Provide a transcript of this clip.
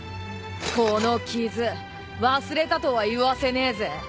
この傷忘れたとは言わせねえぜ。